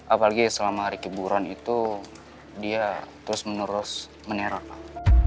apalagi selama hari kiburan itu dia terus menerus menera pak